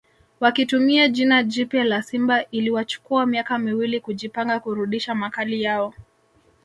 Wakitumia jina jipya la Simba iliwachukua miaka miwili kujipanga kurudisha makali yao